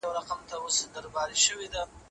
کاروونکي ساده متن او واضح لارښوونې خوښوي تل هر وخت.